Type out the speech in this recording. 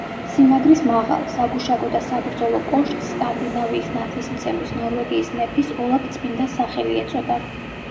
სიმაგრის მაღალ, საგუშაგო და საბრძოლო კოშკს სკანდინავიის ნათლისმცემლის, ნორვეგიის მეფის ოლაფ წმინდას სახელი ეწოდა.